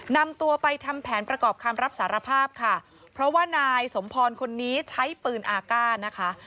นำตัวไปทำแผนประกอบคำรับสารภาพค่ะเพราะว่านายสมพรคนนี้ใช้ปืนอากาศนะคะ